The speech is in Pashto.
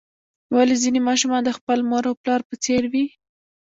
ولې ځینې ماشومان د خپل مور او پلار په څیر وي